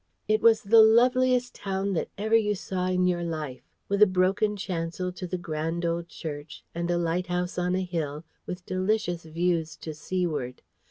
It was the loveliest town that ever you saw in your life, with a broken chancel to the grand old church, and a lighthouse on a hill, with delicious views to seaward.